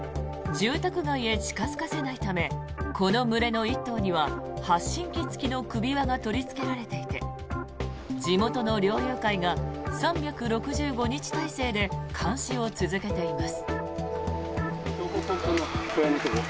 住宅街へ近付かせないためこの群れの１頭には発信機付きの首輪が取りつけられていて地元の猟友会が３６５日体制で監視を続けています。